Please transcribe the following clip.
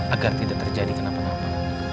agar tidak terjadi kenapa napa